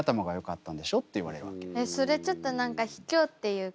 えっそれちょっと何かひきょうっていうか。